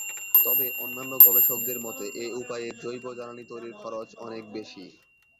তবে অন্যান্য গবেষকদের মতে এ উপায়ে জৈব জ্বালানি তৈরির খরচ অনেক বেশি।